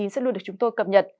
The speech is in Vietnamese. sẽ luôn được chúng tôi cập nhật